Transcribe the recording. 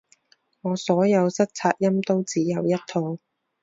我所有塞擦音都只有一套